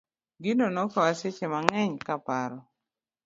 Gino nokawa seche mang'eny ka paro.